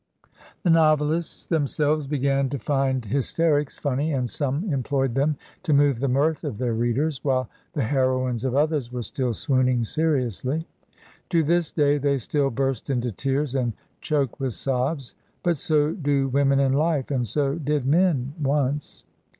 The novelists themselves b^an to find hysterics funny, and some employed them to move the mirth of their readers, while the heroines of others were still swooning seriously. To this day they still "burst into tears," and "choke with sobs"; but so do women in life, and so did men once.